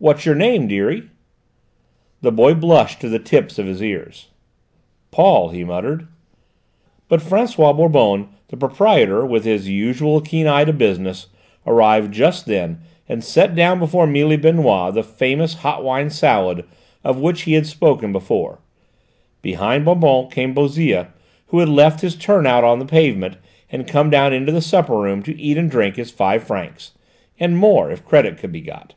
"What's your name, deary?" The boy blushed to the tips of his ears. "Paul," he murmured. But François Bonbonne the proprietor, with his usual keen eye to business, arrived just then and set down before Mealy Benoît the famous hot wine salad of which he had spoken before. Behind Bonbonne came Bouzille, who had left his turn out on the pavement and come down into the supper room to eat and drink his five francs, and more if credit could be got.